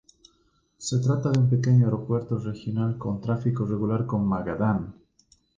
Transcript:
Se trata de un pequeño aeropuerto regional con tráfico regular con Magadán.